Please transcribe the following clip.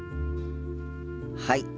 はい。